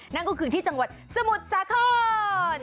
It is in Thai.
นั่นก็คือที่จังหวัดสมุทรสาคร